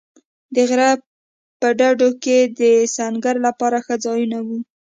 د غره په ډډو کې د سنګر لپاره ښه ځایونه و.